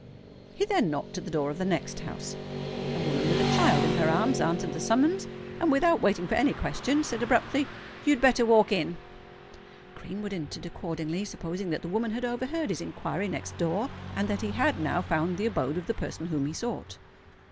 He then knocked at the door of the next house. A woman with a child in her arms answered the summons; and, without waiting for any question, said abruptly, "You had better walk in." Greenwood entered accordingly, supposing that the woman had overheard his inquiry next door, and that he had now found the abode of the person whom he sought.